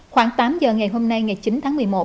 khoảng tám giờ ngày hôm nay ngày chín tháng một mươi một